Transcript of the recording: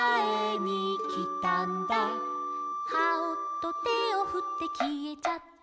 「『ハオ！』とてをふってきえちゃった」